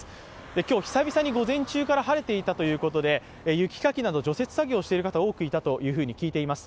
今日、久々に午前中から晴れていたということで、雪かきなど除雪作業をしている方が多くいたと聞いています。